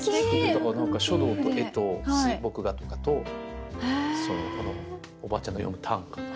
だから書道と絵と水墨画とかとおばあちゃんの詠む短歌。